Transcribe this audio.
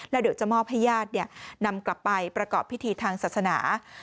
แล้วเดี๋ยวจะมอบให้ญาตินำกลับไปประกอบพิธีทางศาสนา